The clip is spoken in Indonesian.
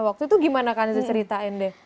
waktu itu gimana kanzanya ceritain deh